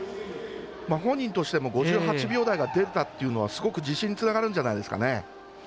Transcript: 本人としても５８秒台が出たというのはすごく自信につながるんじゃないんですかね。